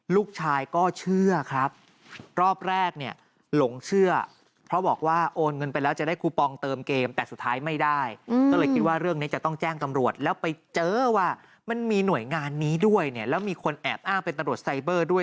แล้วไปเจอว่ามันมีหน่วยงานนี้ด้วยแล้วมีคนแอบอ้างเป็นตำรวจไซเบอร์ด้วย